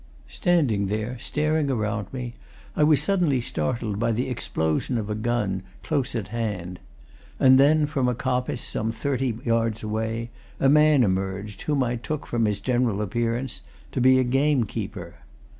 Standing there, staring around me, I was suddenly startled by the explosion of a gun, close at hand. And then, from a coppice, some thirty yards away, a man emerged, whom I took, from his general appearance, to be a gamekeeper.